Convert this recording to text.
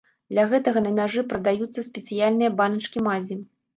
Для гэтага на мяжы прадаюцца спецыяльныя баначкі мазі.